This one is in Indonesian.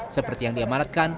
seperti yang diamalatkan